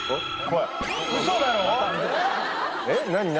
えっ何何？